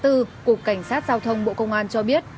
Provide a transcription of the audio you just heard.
cục cảnh sát giao thông bộ công an cho biết